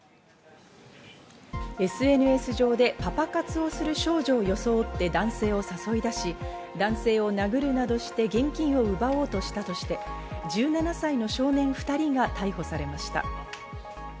ＳＮＳ上でパパ活をする少女を装って男性を誘い出し、男性を殴るなどして現金を奪おうとしたとして１７歳の少年２人が逮捕されました。